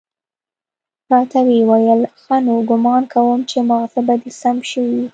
راته ويې ويل ښه نو ګومان کوم چې ماغزه به دې سم شوي وي.